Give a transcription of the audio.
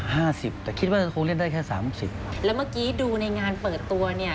ห้าสิบแต่คิดว่าคงเล่นได้แค่สามสิบแล้วเมื่อกี้ดูในงานเปิดตัวเนี้ย